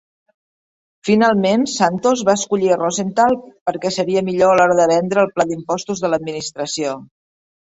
Finalment, Santos va escollir a Rosenthal perquè seria millor a l'hora de vendre el pla d'impostos de l'administració.